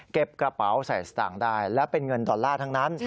กระเป๋าใส่สตางค์ได้และเป็นเงินดอลลาร์ทั้งนั้น